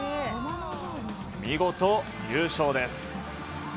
見事、優勝です。